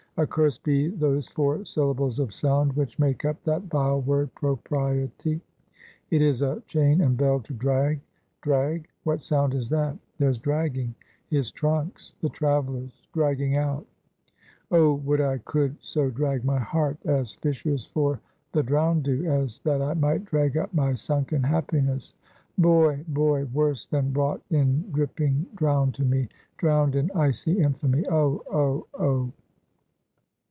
Accursed be those four syllables of sound which make up that vile word Propriety. It is a chain and bell to drag; drag? what sound is that? there's dragging his trunks the traveler's dragging out. Oh would I could so drag my heart, as fishers for the drowned do, as that I might drag up my sunken happiness! Boy! boy! worse than brought in dripping drowned to me, drowned in icy infamy! Oh! oh! oh!"